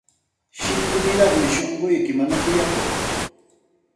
Shillkuniraqmi shunquyki, mana kuyakuq.